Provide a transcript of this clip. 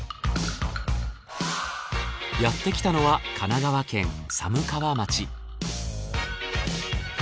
やってきたのは神奈川県寒川町。